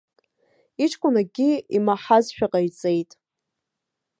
Иҷкәын акгьы имаҳазшәа ҟаиҵеит.